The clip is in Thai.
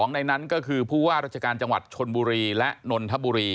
ในนั้นก็คือผู้ว่าราชการจังหวัดชนบุรีและนนทบุรี